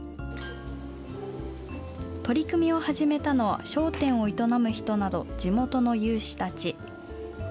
取り組みを始めたのは、商店を営む人など、地元の有志たち。